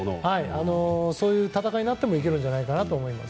そういう戦いになってもいけると思います。